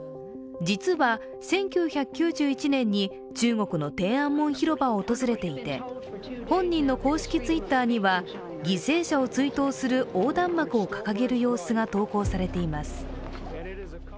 実は１９９１年に中国の天安門広場を訪れていて本人の公式Ｔｗｉｔｔｅｒには、犠牲者を追悼する横断幕を掲げる様子が投稿されています。